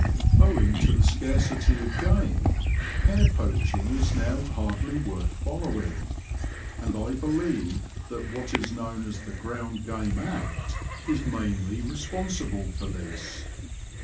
Owing to the scarcity of game, hare poaching is now hardly worth following, and I believe that what is known as the Ground 70 The Confessions of a T^oacher. Game Act is mainly responsible for this.